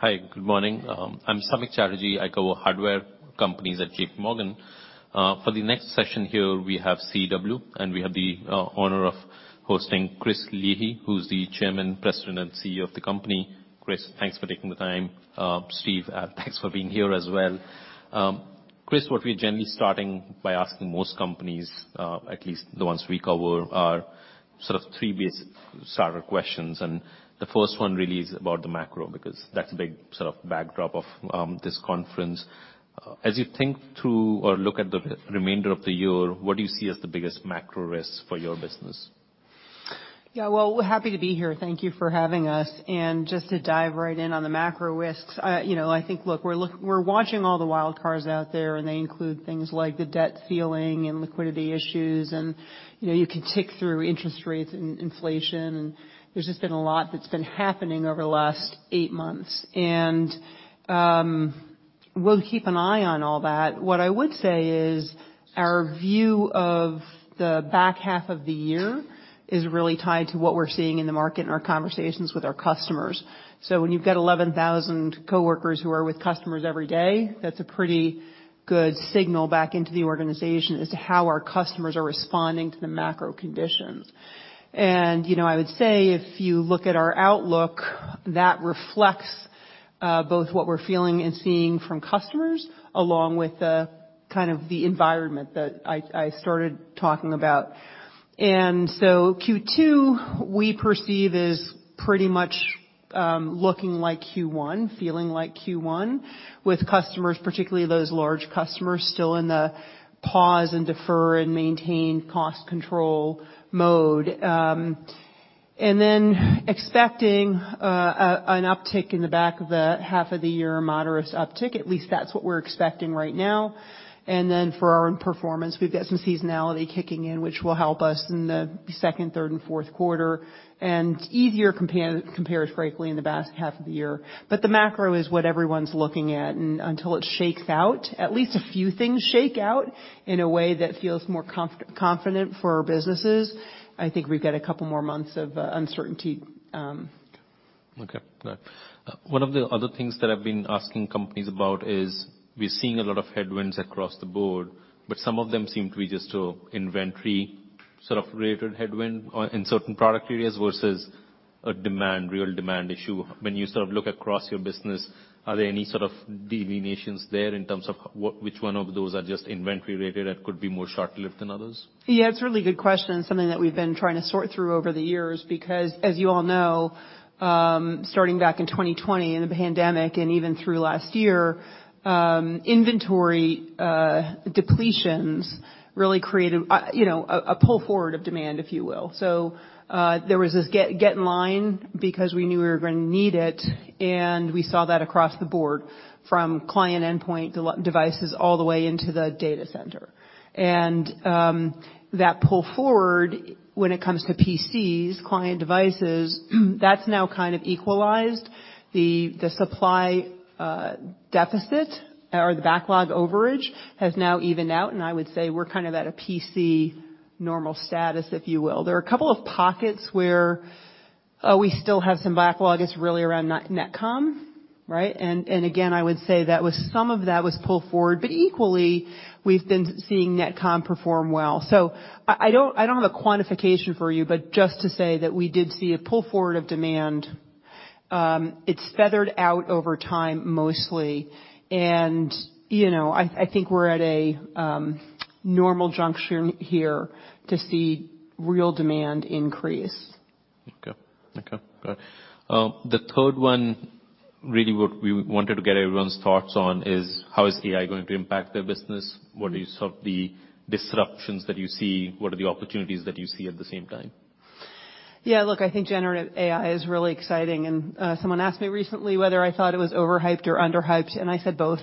Hi, good morning. I'm Samik Chatterjee. I cover Hardware companies at J.P. Morgan. For the next session here, we have CDW, and we have the honor of hosting Chris Leahy, who's the Chairman, President, and CEO of the company. Chris, thanks for taking the time. Steve, thanks for being here as well. Chris, what we're generally starting by asking most companies, at least the ones we cover, are sort of three starter questions. The first one really is about the macro, because that's a big sort of backdrop of this conference. As you think through or look at the remainder of the year, what do you see as the biggest macro risk for your business? Yeah. Well, happy to be here. Thank you for having us. Just to dive right in on the macro risks, you know, I think, we're watching all the wild cards out there, and they include things like the debt ceiling and liquidity issues. You know, you could tick through interest rates and inflation, and there's just been a lot that's been happening over the last eight months. We'll keep an eye on all that. What I would say is our view of the back half of the year is really tied to what we're seeing in the market in our conversations with our customers. When you've got 11,000 coworkers who are with customers every day, that's a pretty good signal back into the organization as to how our customers are responding to the macro conditions. You know, I would say if you look at our outlook, that reflects both what we're feeling and seeing from customers, along with the kind of the environment that I started talking about. Q2, we perceive is pretty much looking like Q1, feeling like Q1, with customers, particularly those large customers, still in the pause and defer and maintain cost control mode. Then expecting an uptick in the back of the half of the year, a moderate uptick. At least that's what we're expecting right now. Then for our own performance, we've got some seasonality kicking in, which will help us in the second, third, and fourth quarter, and easier comparatively in the back half of the year. The macro is what everyone's looking at. Until it shakes out, at least a few things shake out in a way that feels more confident for our businesses, I think we've got a couple more months of uncertainty. Okay. One of the other things that I've been asking companies about is we're seeing a lot of headwinds across the board, but some of them seem to be just a inventory sort of related headwind or in certain product areas versus a demand, real demand issue. When you sort of look across your business, are there any sort of deviations there in terms of which one of those are just inventory related that could be more short-lived than others? Yeah, it's a really good question. Something that we've been trying to sort through over the years, because as you all know, starting back in 2020 in the pandemic and even through last year, inventory depletions really created, you know, a pull forward of demand, if you will. There was this get in line because we knew we were gonna need it, and we saw that across the board from client endpoint devices all the way into the data center. That pull forward when it comes to PCs, client devices, that's now kind of equalized. The supply deficit or the backlog overage has now evened out, and I would say we're kind of at a PC normal status, if you will. There are a couple of pockets where we still have some backlog. It's really around NetCom, right? Again, I would say that was some of that was pull forward. Equally, we've been seeing NetCom perform well. I don't have a quantification for you, but just to say that we did see a pull forward of demand, it's feathered out over time mostly. You know, I think we're at a normal juncture here to see real demand increase. Okay. Okay. Got it. The third one, really what we wanted to get everyone's thoughts on is how is AI going to impact their business? What is sort of the disruptions that you see? What are the opportunities that you see at the same time? Yeah. Look, I think generative AI is really exciting. Someone asked me recently whether I thought it was overhyped or underhyped, and I said both,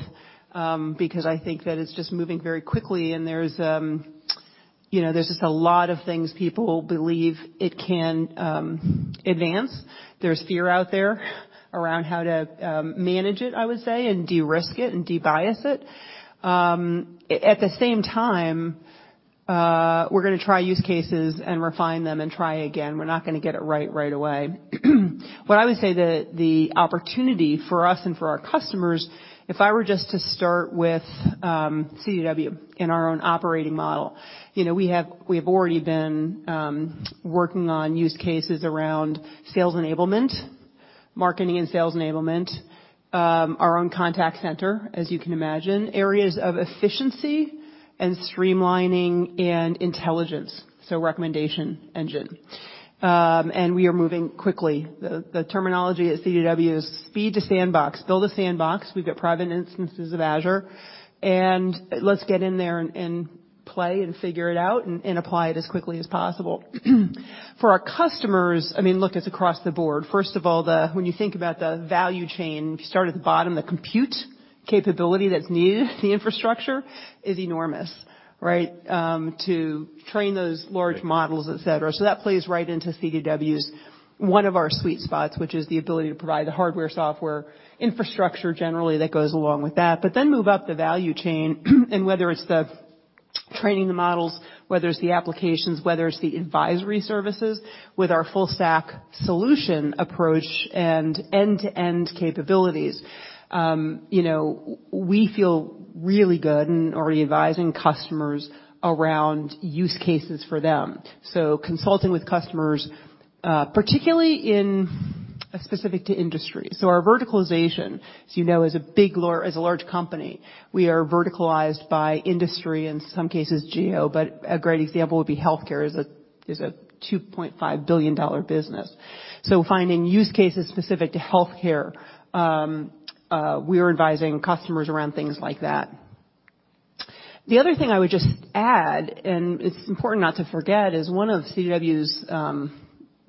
because I think that it's just moving very quickly and there's, you know, there's just a lot of things people believe it can advance. There's fear out there around how to manage it, I would say, and de-risk it and de-bias it. At the same time, we're gonna try use cases and refine them and try again. We're not gonna get it right away. What I would say the opportunity for us and for our customers, if I were just to start with CDW in our own operating model, you know, we have already been working on use cases around sales enablement, marketing and sales enablement, our own contact center, as you can imagine, areas of efficiency and streamlining and intelligence, so recommendation engine. We are moving quickly. The terminology at CDW is speed to sandbox. Build a sandbox. We've got private instances of Azure. Let's get in there and play and figure it out and apply it as quickly as possible. For our customers, I mean, look, it's across the board. First of all, when you think about the value chain, if you start at the bottom, the compute capability that's needed, the infrastructure is enormous, right? To train those large models, et cetera. That plays right into CDW's, one of our sweet spots, which is the ability to provide the hardware, software, infrastructure generally that goes along with that. Move up the value chain and whether it's the training the models, whether it's the applications, whether it's the advisory services with our full stack solution approach and end-to-end capabilities, you know, we feel really good in already advising customers around use cases for them. Consulting with customers, particularly in specific to industry. Our verticalization, as you know, as a large company, we are verticalized by industry, in some cases geo, but a great example would be healthcare is a $2.5 billion business. Finding use cases specific to healthcare, we're advising customers around things like that. The other thing I would just add, and it's important not to forget, is one of CDW's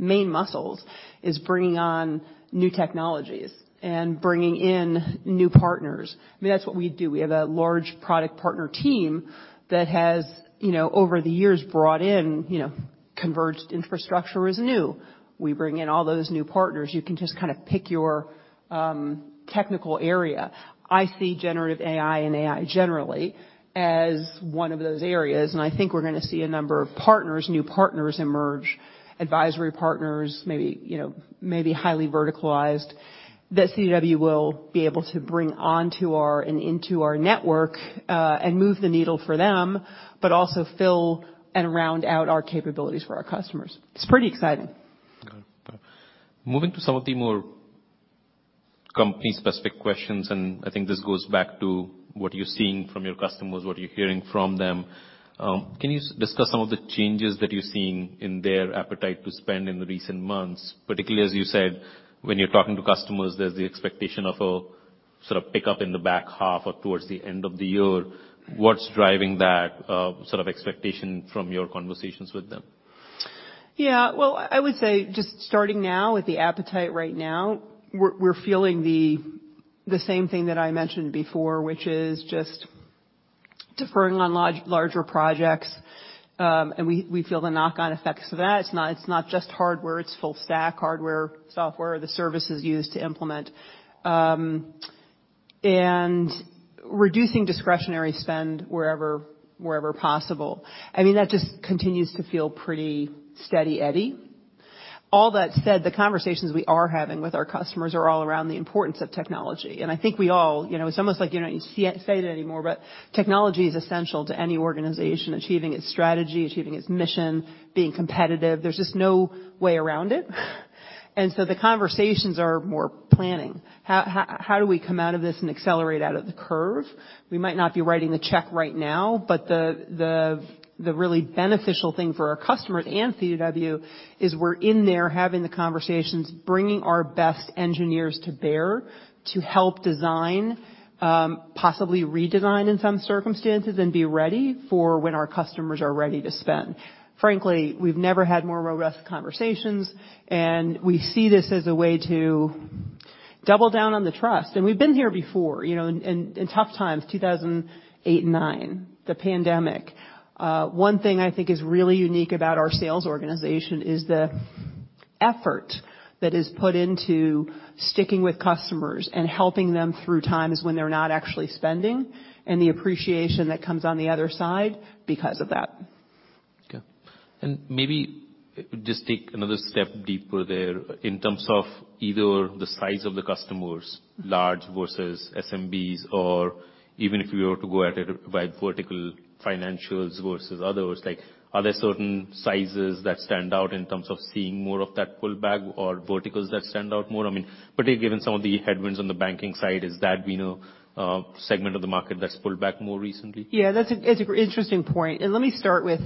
main muscles is bringing on new technologies and bringing in new partners. I mean, that's what we do. We have a large product partner team that has, you know, over the years brought in, you know, converged infrastructure is new. We bring in all those new partners. You can just kind of pick your technical area. I see generative AI and AI generally as one of those areas, and I think we're gonna see a number of partners, new partners emerge, advisory partners, maybe, you know, maybe highly verticalized, that CDW will be able to bring onto our and into our network and move the needle for them, but also fill and round out our capabilities for our customers. It's pretty exciting. Got it. Moving to some of the more company-specific questions, and I think this goes back to what you're seeing from your customers, what you're hearing from them, can you discuss some of the changes that you're seeing in their appetite to spend in the recent months? Particularly, as you said, when you're talking to customers, there's the expectation of a sort of pickup in the back half or towards the end of the year. What's driving that sort of expectation from your conversations with them? Yeah. Well, I would say just starting now with the appetite right now, we're feeling the same thing that I mentioned before, which is just deferring on larger projects, and we feel the knock on effects of that. It's not just hardware, it's full stack, hardware, software, the services used to implement. Reducing discretionary spend wherever possible. I mean, that just continues to feel pretty steady Eddy. All that said, the conversations we are having with our customers are all around the importance of technology. I think we all, you know, it's almost like you don't need to say it anymore, Technology is essential to any organization achieving its strategy, achieving its mission, being competitive. There's just no way around it. The conversations are more planning. How do we come out of this and accelerate out of the curve? We might not be writing the check right now, but the really beneficial thing for our customers and CDW is we're in there having the conversations, bringing our best engineers to bear to help design, possibly redesign in some circumstances, and be ready for when our customers are ready to spend. Frankly, we've never had more robust conversations. We see this as a way to double down on the trust. We've been here before, you know, in tough times, 2008 and 2009, the pandemic. One thing I think is really unique about our sales organization is the effort that is put into sticking with customers and helping them through times when they're not actually spending, and the appreciation that comes on the other side because of that. Okay. Maybe just take another step deeper there in terms of either the size of the customers, large versus SMBs, or even if you were to go at it by vertical financials versus others, like, are there certain sizes that stand out in terms of seeing more of that pull back or verticals that stand out more? I mean, particularly given some of the headwinds on the banking side, is that, we know, a segment of the market that's pulled back more recently? Yeah, that's an interesting point. Let me start with,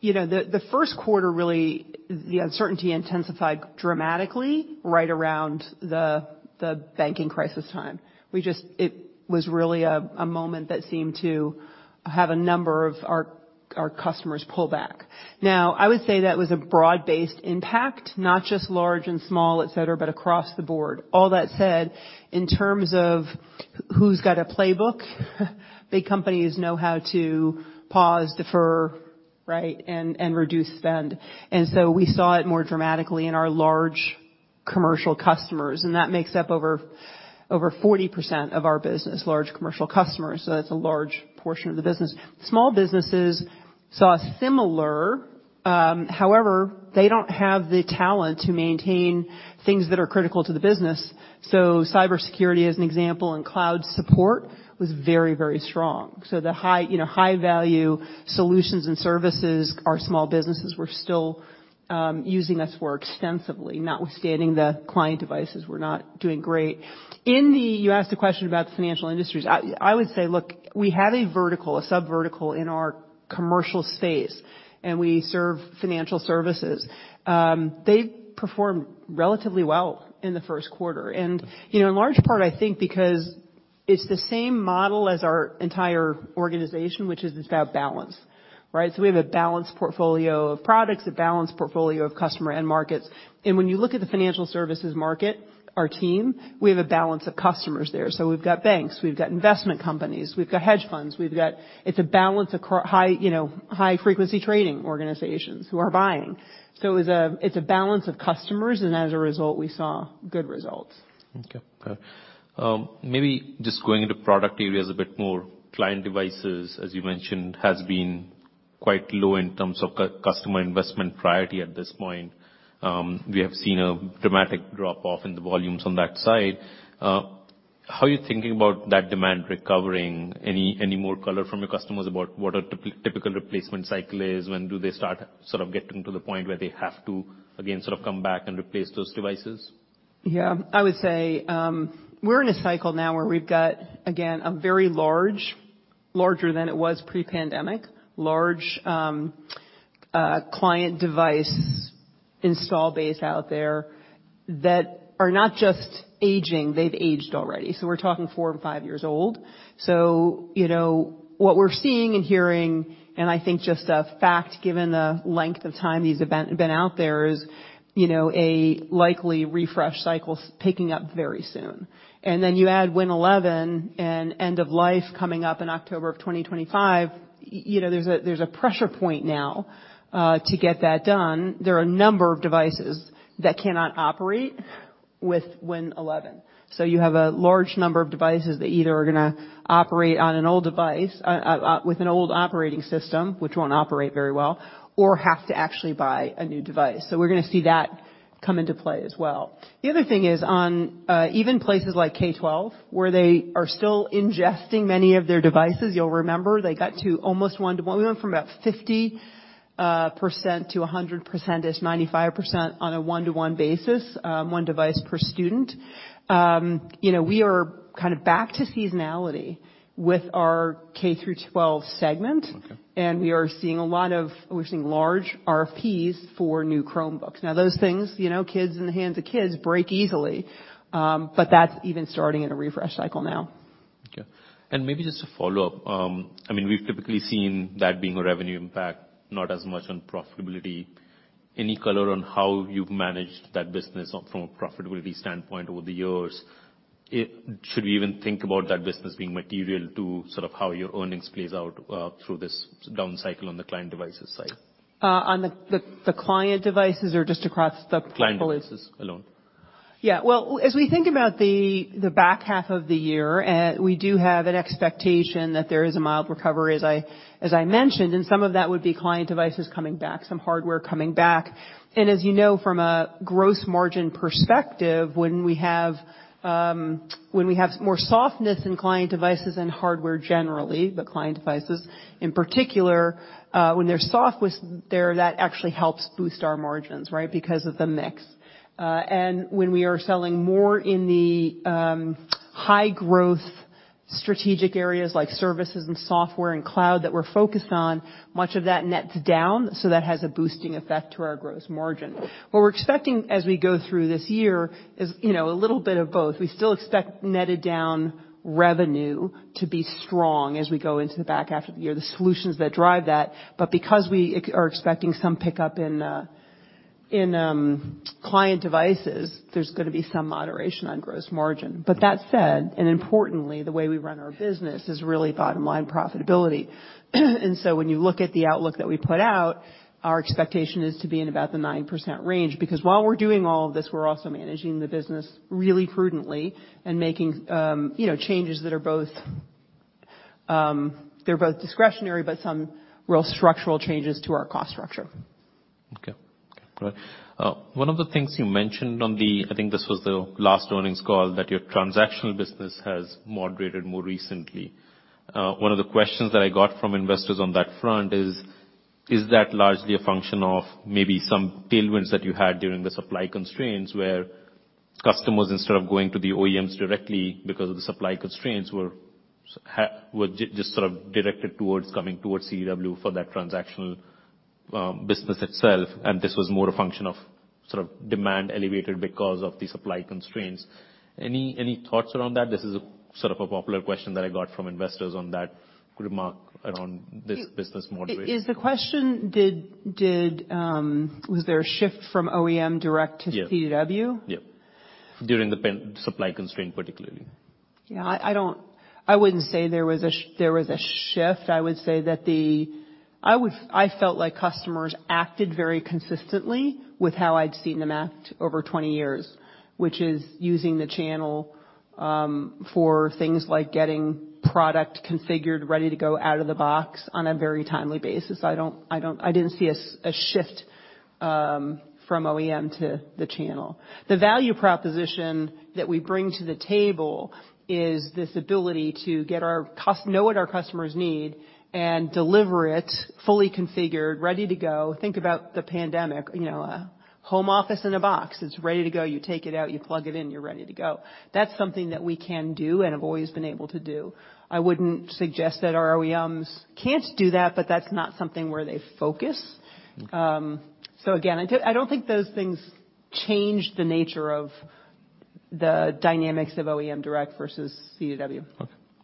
you know, the first quarter, really, the uncertainty intensified dramatically right around the banking crisis time. It was really a moment that seemed to have a number of our customers pull back. I would say that was a broad-based impact, not just large and small, et cetera, but across the board. All that said, in terms of who's got a playbook, big companies know how to pause, defer, right, and reduce spend. We saw it more dramatically in our large commercial customers, and that makes up over 40% of our business, large commercial customers, so that's a large portion of the business. Small businesses saw similar, however, they don't have the talent to maintain things that are critical to the business. Cybersecurity, as an example, and cloud support was very, very strong. The high, you know, high value solutions and services our small businesses were still using us for extensively, notwithstanding the client devices were not doing great. You asked a question about the financial industries. I would say, look, we have a vertical, a sub-vertical in our commercial space, and we serve financial services. They've performed relatively well in the first quarter. You know, in large part, I think, because it's the same model as our entire organization, which is it's about balance, right? We have a balanced portfolio of products, a balanced portfolio of customer end markets, and when you look at the financial services market, our team, we have a balance of customers there. We've got banks, we've got investment companies, we've got hedge funds, we've got... It's a balance across high, you know, high-frequency trading organizations who are buying. It's a balance of customers, and as a result, we saw good results. Maybe just going into product areas a bit more. Client devices, as you mentioned, has been quite low in terms of customer investment priority at this point. We have seen a dramatic drop-off in the volumes on that side. How are you thinking about that demand recovering? Any more color from your customers about what a typical replacement cycle is? When do they start sort of getting to the point where they have to, again, sort of come back and replace those devices? Yeah. I would say, we're in a cycle now where we've got, again, a very large, larger than it was pre-pandemic, large, client device install base out there that are not just aging. They've aged already. We're talking four and five years old. You know, what we're seeing and hearing, and I think just a fact given the length of time these have been out there is, you know, a likely refresh cycle picking up very soon. Then you add Windows 11 and end of life coming up in October of 2025, you know, there's a, there's a pressure point now to get that done. There are a number of devices that cannot operate with Windows 11. You have a large number of devices that either are gonna operate on an old device, with an old operating system, which won't operate very well, or have to actually buy a new device. We're gonna see that come into play as well. The other thing is on even places like K-12, where they are still ingesting many of their devices, you'll remember they got to almost one-to-one. We went from about 50% to 100%-ish, 95% on a one-to-one basis, one device per student. You know, we are kind of back to seasonality with our K-12 segment. Okay. We're seeing large RFPs for new Chromebooks. Now those things, you know, kids in the hands of kids break easily, but that's even starting at a refresh cycle now. Okay. Maybe just a follow-up. I mean, we've typically seen that being a revenue impact, not as much on profitability. Any color on how you've managed that business from a profitability standpoint over the years? Should we even think about that business being material to sort of how your earnings plays out through this down cycle on the client devices side? On the client devices or just across the full business? Client devices alone. Yeah. Well, as we think about the back half of the year, we do have an expectation that there is a mild recovery, as I mentioned, and some of that would be client devices coming back, some hardware coming back. As you know from a gross margin perspective, when we have more softness in client devices and hardware generally, but client devices in particular, when they're soft with there, that actually helps boost our margins, right? Because of the mix. When we are selling more in the high growth strategic areas like services and software and cloud that we're focused on, much of that nets down, so that has a boosting effect to our gross margin. What we're expecting as we go through this year is, you know, a little bit of both. We still expect netted down revenue to be strong as we go into the back half of the year, the solutions that drive that. Because we are expecting some pickup in client devices, there's gonna be some moderation on gross margin. That said, and importantly, the way we run our business is really bottom line profitability. When you look at the outlook that we put out, our expectation is to be in about the 9% range, because while we're doing all of this, we're also managing the business really prudently and making, you know, changes that are both, they're both discretionary, but some real structural changes to our cost structure. Okay. Okay. One of the things you mentioned on the, I think this was the last earnings call, that your transactional business has moderated more recently. One of the questions that I got from investors on that front is that largely a function of maybe some tailwinds that you had during the supply constraints, where customers, instead of going to the OEMs directly because of the supply constraints, were just sort of directed towards coming towards CDW for that transactional business itself, and this was more a function of sort of demand elevated because of the supply constraints? Any thoughts around that? This is sort of a popular question that I got from investors on that remark around this business moderation. Was there a shift from OEM direct to CDW? Yeah. Yeah. During the supply constraint particularly. Yeah. I wouldn't say there was a shift. I would say that I felt like customers acted very consistently with how I'd seen them act over 20 years, which is using the channel for things like getting product configured, ready to go out of the box on a very timely basis. I didn't see a shift from OEM to the channel. The value proposition that we bring to the table is this ability to know what our customers need and deliver it fully configured, ready to go. Think about the pandemic, you know, a home office in a box. It's ready to go. You take it out, you plug it in, you're ready to go. That's something that we can do and have always been able to do. I wouldn't suggest that our OEMs can't do that, but that's not something where they focus. again, I don't think those things change the nature of the dynamics of OEM direct versus CDW.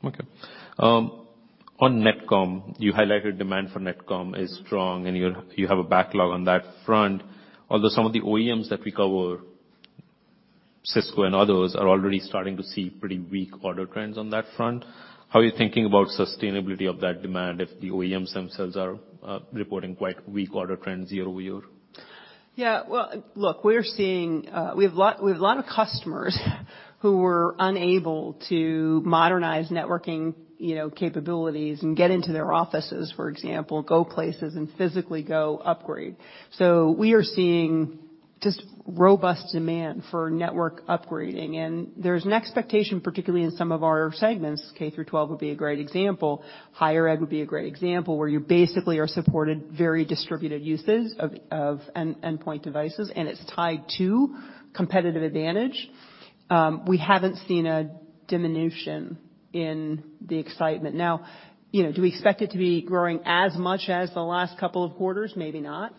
Okay. Okay. On NetCom, you highlighted demand for NetCom is strong and you have a backlog on that front. Although some of the OEMs that we cover, Cisco and others, are already starting to see pretty weak order trends on that front. How are you thinking about sustainability of that demand if the OEMs themselves are reporting quite weak order trends year-over-year? Yeah. Well, look, we're seeing, we have a lot of customers who were unable to modernize networking, you know, capabilities and get into their offices, for example, go places and physically go upgrade. We are seeing just robust demand for network upgrading. There's an expectation, particularly in some of our segments, K-12 would be a great example. Higher ed would be a great example, where you basically are supported very distributed uses of end point devices, and it's tied to competitive advantage. We haven't seen a diminution in the excitement. Now, you know, do we expect it to be growing as much as the last couple of quarters? Maybe not.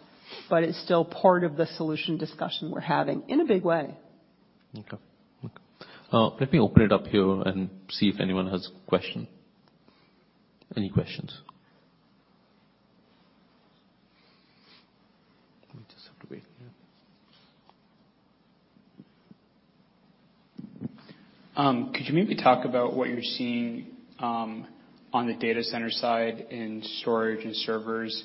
It's still part of the solution discussion we're having in a big way. Okay. Okay. Let me open it up here and see if anyone has question. Any questions? We just have to wait. Yeah. Could you maybe talk about what you're seeing on the data center side in storage and servers?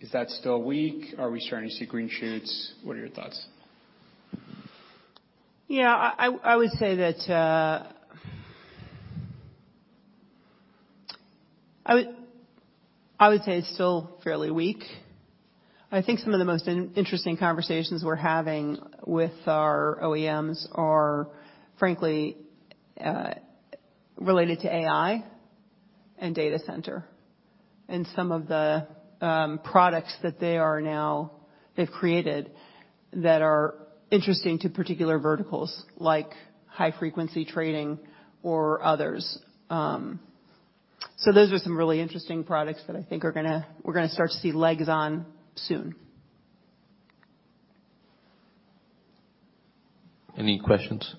Is that still weak? Are we starting to see green shoots? What are your thoughts? Yeah. I would say it's still fairly weak. I think some of the most interesting conversations we're having with our OEMs are frankly related to AI and data center and some of the products that they've created that are interesting to particular verticals like high frequency trading or others. Those are some really interesting products that I think we're gonna start to see legs on soon. Any questions?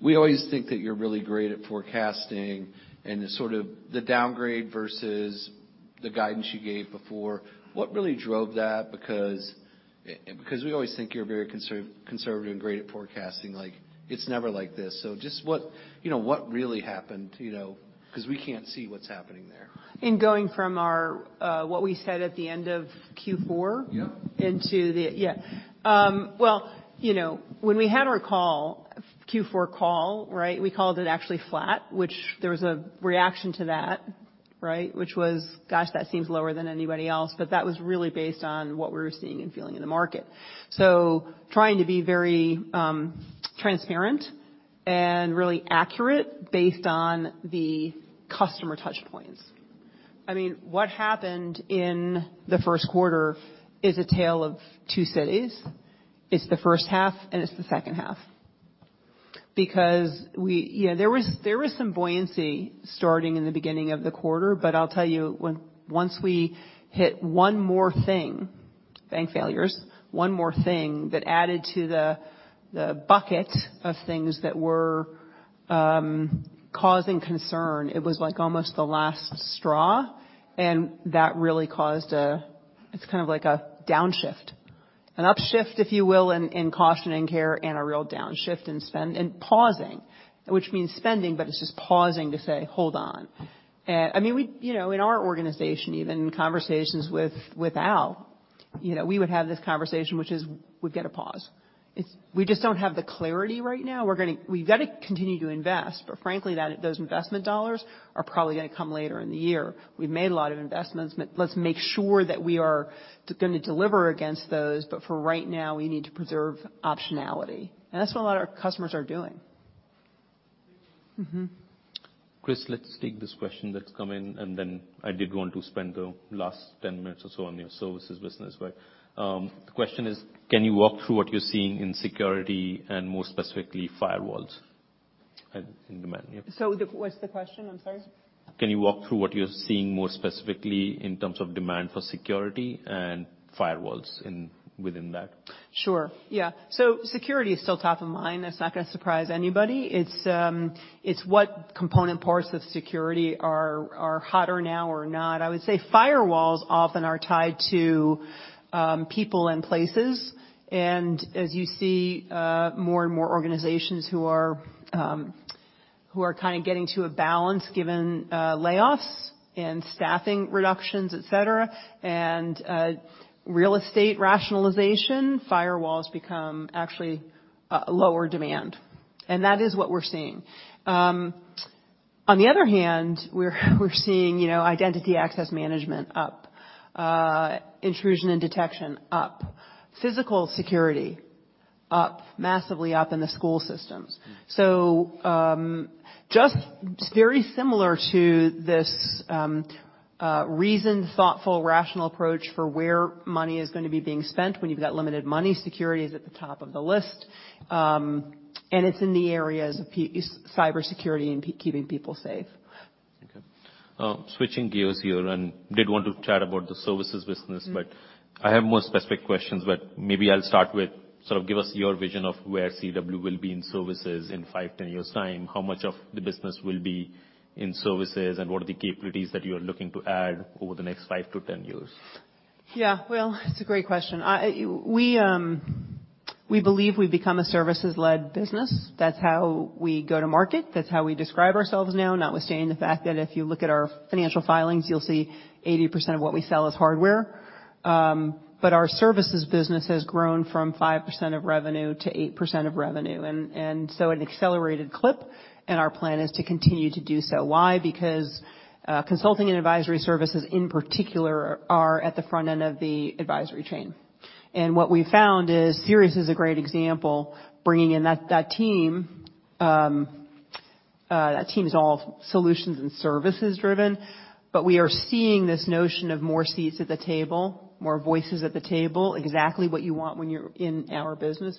You. Okay. I was just going to say, you know, as we went through the obviously the reset, we always think of you as very conservative and really a great person. We always think that you're really great at forecasting and the sort of the downgrade versus the guidance you gave before. What really drove that? Because we always think you're very conservative and great at forecasting, like it's never like this. Just what, you know, what really happened, you know? 'Cause we can't see what's happening there. In going from our, what we said at the end of Q4- Yeah.... into the... Yeah. Well, you know, when we had our call, Q4 call, right? We called it actually flat, which there was a reaction to that, right? Which was, gosh, that seems lower than anybody else. But that was really based on what we were seeing and feeling in the market. So trying to be very transparent and really accurate based on the customer touch points. I mean, what happened in the first quarter is a tale of two cities. It's the first half and it's the second half. Because we... Yeah, there was some buoyancy starting in the beginning of the quarter, but I'll tell you, once we hit one more thing, bank failures, one more thing that added to the bucket of things that were causing concern, it was like almost the last straw, and that really caused a... It's kind of like a downshift, an upshift, if you will, in caution and care and a real downshift in spend and pausing, which means spending, but it's just pausing to say, "Hold on." I mean, we, you know, in our organization, even in conversations with Al, you know, we would have this conversation, which is we've got to pause. We just don't have the clarity right now. We've got to continue to invest, but frankly, those investment dollars are probably gonna come later in the year. We've made a lot of investments, but let's make sure that we are gonna deliver against those. For right now, we need to preserve optionality, and that's what a lot of our customers are doing. Chris, let's take this question that's come in, and then I did want to spend the last 10 minutes or so on your services business. The question is, can you walk through what you're seeing in security and more specifically firewalls and demand? Yeah. What's the question? I'm sorry. Can you walk through what you're seeing more specifically in terms of demand for security and firewalls within that? Sure, yeah. Security is still top of mind. That's not gonna surprise anybody. It's what component parts of security are hotter now or not. I would say firewalls often are tied to people and places, and as you see more and more organizations who are kind of getting to a balance given layoffs and staffing reductions, et cetera, and real estate rationalization, firewalls become actually a lower demand. That is what we're seeing. On the other hand, we're seeing, you know, identity access management up, intrusion detection up, physical security up, massively up in the school systems. Just very similar to this reasoned, thoughtful, rational approach for where money is gonna be being spent. When you've got limited money, security is at the top of the list, and it's in the areas of cybersecurity and keeping people safe. Okay. Switching gears here and did want to chat about the services business. Mm-hmm. I have more specific questions, but maybe I'll start with sort of give us your vision of where CDW will be in services in five, 10 years' time. How much of the business will be in services, and what are the capabilities that you are looking to add over the next five to 10 years? Yeah. Well, it's a great question. We believe we've become a services-led business. That's how we go to market. That's how we describe ourselves now, notwithstanding the fact that if you look at our financial filings, you'll see 80% of what we sell is hardware. Our services business has grown from 5% of revenue to 8% of revenue. An accelerated clip, and our plan is to continue to do so. Why? Because consulting and advisory services in particular are at the front end of the advisory chain. What we found is Sirius is a great example, bringing in that team, that team's all solutions and services driven. We are seeing this notion of more seats at the table, more voices at the table, exactly what you want when you're in our business.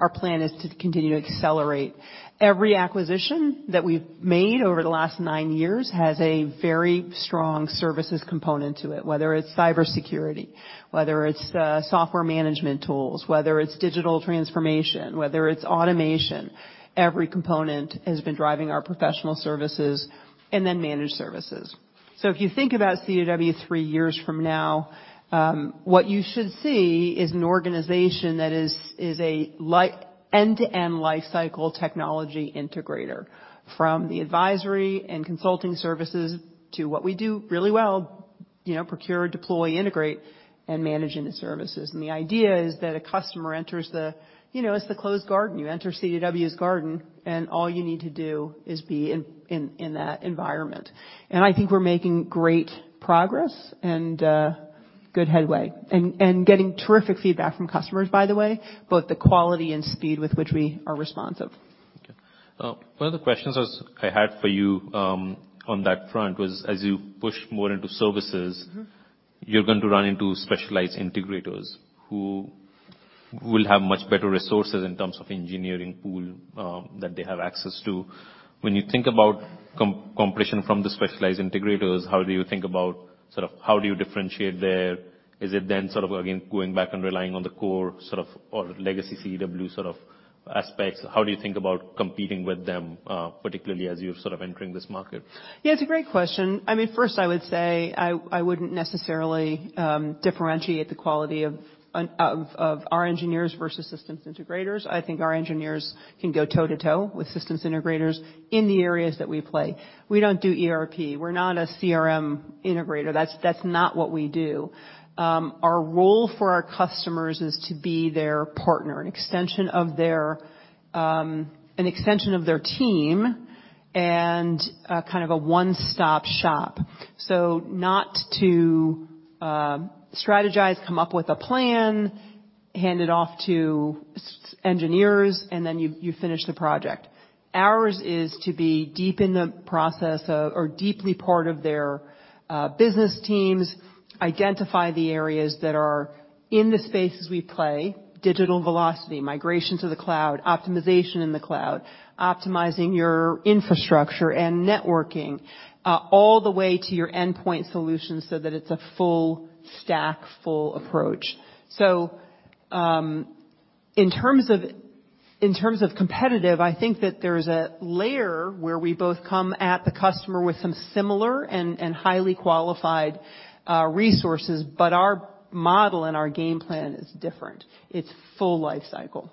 Our plan is to continue to accelerate. Every acquisition that we've made over the last nine years has a very strong services component to it, whether it's cybersecurity, whether it's software management tools, whether it's digital transformation, whether it's automation. Every component has been driving our professional services and then managed services. If you think about CDW three years from now, what you should see is an organization that is a end-to-end life cycle technology integrator from the advisory and consulting services to what we do really well, you know, procure, deploy, integrate, and managing the services. The idea is that a customer enters the, you know, it's the closed garden. You enter CDW's garden, and all you need to do is be in that environment. I think we're making great progress and, good headway and getting terrific feedback from customers, by the way, both the quality and speed with which we are responsive. Okay. One of the questions I had for you, on that front was, as you push more into services. Mm-hmm. You're going to run into specialized integrators who will have much better resources in terms of engineering pool, that they have access to. When you think about competition from the specialized integrators, how do you think about sort of how do you differentiate there? Is it then sort of, again, going back and relying on the core sort of or legacy CDW sort of aspects? How do you think about competing with them, particularly as you're sort of entering this market? Yeah, it's a great question. I mean, first I would say I wouldn't necessarily differentiate the quality of our engineers versus systems integrators. I think our engineers can go toe-to-toe with systems integrators in the areas that we play. We don't do ERP. We're not a CRM integrator. That's not what we do. Our role for our customers is to be their partner, an extension of their, an extension of their team and kind of a one-stop shop. Not to strategize, come up with a plan, hand it off to engineers, and then you finish the project. Ours is to be deep in the process of or deeply part of their, business teams, identify the areas that are in the spaces we play, Digital Velocity, migration to the cloud, optimization in the cloud, optimizing your infrastructure and networking, all the way to your endpoint solutions so that it's a full stack, full approach. In terms of competitive, I think that there's a layer where we both come at the customer with some similar and highly qualified, resources, but our model and our game plan is different. It's full life cycle.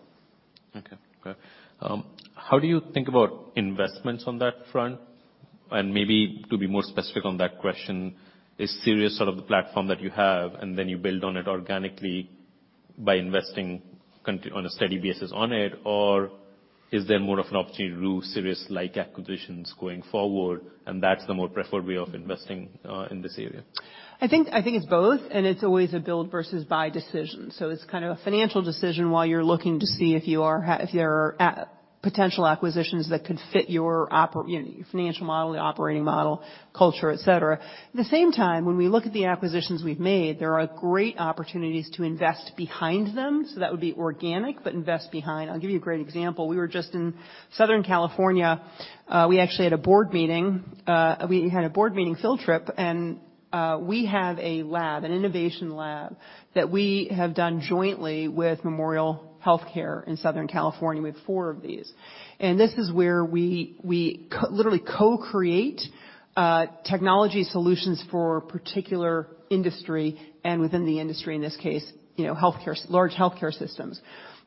How do you think about investments on that front? Maybe to be more specific on that question, is Sirius sort of the platform that you have, and then you build on it organically by investing on a steady basis on it, or is there more of an opportunity to do Sirius-like acquisitions going forward, and that's the more preferred way of investing in this area? I think it's both, and it's always a build versus buy decision. It's kind of a financial decision while you're looking to see if there are potential acquisitions that could fit your operating, you know, your financial model, the operating model, culture, etc. At the same time, when we look at the acquisitions we've made, there are great opportunities to invest behind them, so that would be organic, but invest behind. I'll give you a great example. We were just in Southern California. We actually had a board meeting. We had a board meeting field trip, and we have a lab, an innovation lab, that we have done jointly with Memorial Healthcare in Southern California. We have four of these. This is where we co- literally co-create technology solutions for a particular industry and within the industry, in this case, you know, large healthcare systems.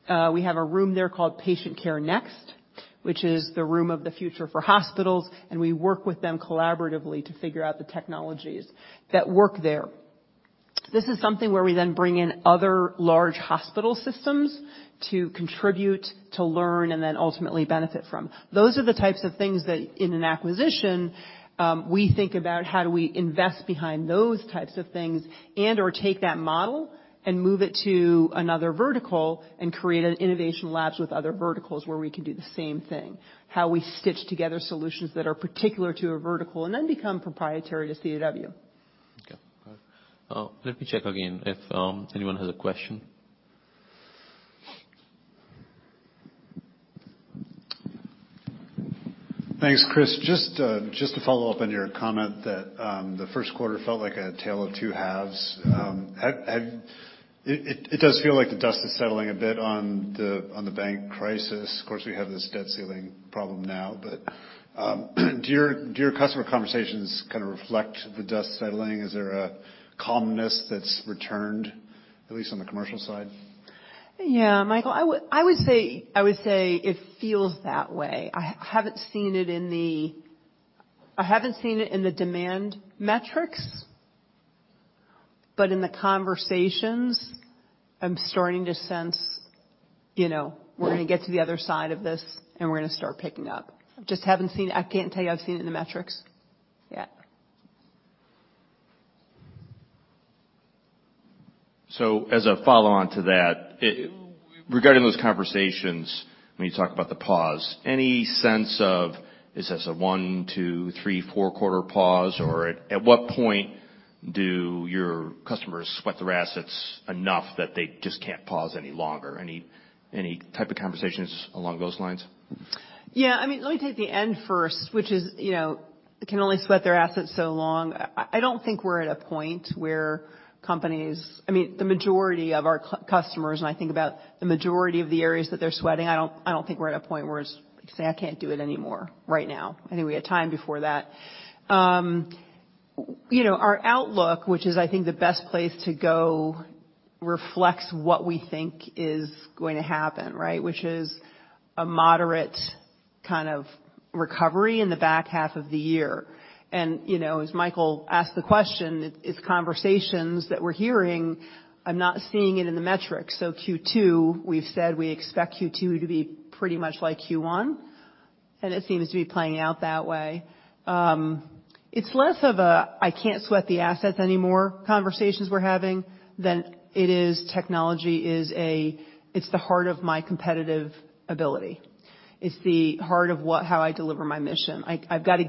We have a room there called Patient Care Next, which is the room of the future for hospitals, and we work with them collaboratively to figure out the technologies that work there. This is something where we then bring in other large hospital systems to contribute, to learn, and then ultimately benefit from. Those are the types of things that in an acquisition, we think about how do we invest behind those types of things and/or take that model and move it to another vertical and create an innovation labs with other verticals where we can do the same thing, how we stitch together solutions that are particular to a vertical and then become proprietary to CDW. Okay. let me check again if, anyone has a question. Thanks, Chris. Just to follow up on your comment that the first quarter felt like a tale of two halves. It does feel like the dust is settling a bit on the bank crisis. Of course, we have this debt ceiling problem now, but do your customer conversations kind of reflect the dust settling? Is there a calmness that's returned, at least on the commercial side? Yeah, Michael, I would say it feels that way. I haven't seen it in the demand metrics. In the conversations, I'm starting to sense, you know, we're gonna get to the other side of this, and we're gonna start picking up. I can't tell you I've seen it in the metrics yet. As a follow-on to that, regarding those conversations, when you talk about the pause, any sense of, is this a one, two, three, four quarter pause, or at what point do your customers sweat their assets enough that they just can't pause any longer? Any type of conversations along those lines? Yeah, I mean, let me take the end first, which is, you know, can only sweat their assets so long. I don't think we're at a point where companies. I mean, the majority of our customers, and I think about the majority of the areas that they're sweating, I don't think we're at a point where it's, they say, "I can't do it anymore right now." I think we had time before that. You know, our outlook, which is I think the best place to go, reflects what we think is going to happen, right, which is a moderate kind of recovery in the back half of the year. You know, as Michael asked the question, it's conversations that we're hearing. I'm not seeing it in the metrics. Q2, we've said we expect Q2 to be pretty much like Q1, and it seems to be playing out that way. It's less of a, "I can't sweat the assets anymore," conversations we're having than it is technology is "It's the heart of my competitive ability. It's the heart of what how I deliver my mission. I've gotta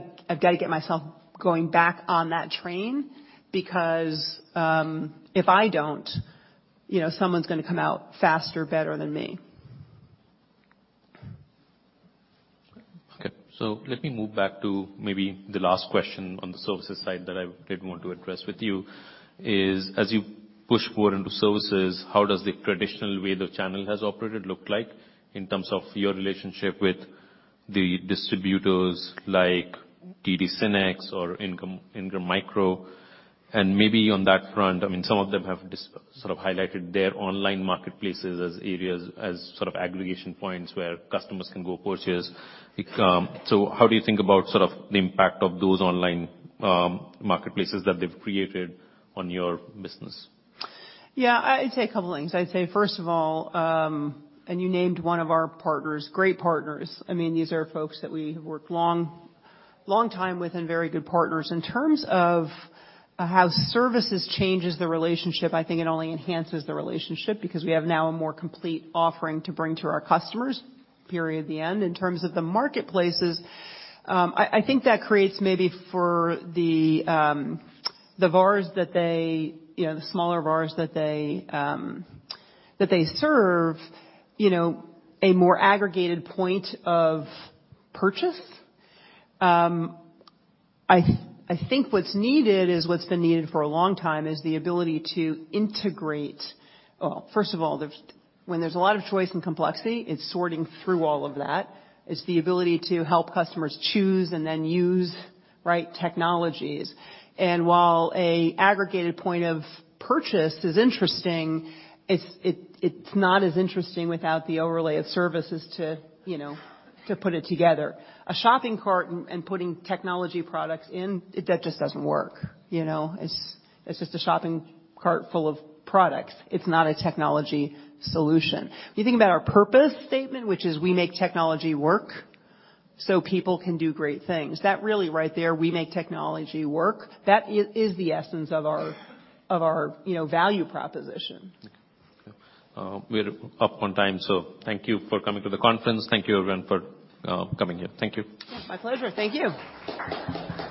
get myself going back on that train because, if I don't, you know, someone's gonna come out faster, better than me. Let me move back to maybe the last question on the services side that I did want to address with you, is, as you push more into services, how does the traditional way the channel has operated look like in terms of your relationship with the distributors like TD SYNNEX or Ingram Micro? Maybe on that front, I mean, some of them have sort of highlighted their online marketplaces as areas as sort of aggregation points where customers can go purchase. So how do you think about sort of the impact of those online marketplaces that they've created on your business? Yeah. I'd say a couple things. I'd say, first of all, and you named one of our partners, great partners. I mean, these are folks that we have worked long, long time with and very good partners. In terms of how services changes the relationship, I think it only enhances the relationship because we have now a more complete offering to bring to our customers, period, the end. In terms of the marketplaces, I think that creates maybe for the VARs that they, you know, the smaller VARs that they, that they serve, you know, a more aggregated point of purchase. I think what's needed is what's been needed for a long time, is the ability to integrate. Well, first of all, when there's a lot of choice and complexity, it's sorting through all of that. It's the ability to help customers choose and then use right technologies. While a aggregated point of purchase is interesting, it's not as interesting without the overlay of services to, you know, to put it together. A shopping cart and putting technology products in, that just doesn't work. You know? It's just a shopping cart full of products. It's not a technology solution. If you think about our purpose statement, which is we make technology work so people can do great things. That really right there, we make technology work. That is the essence of our, you know, value proposition. Okay. We're up on time. Thank you for coming to the conference. Thank you everyone for coming here. Thank you. My pleasure. Thank you.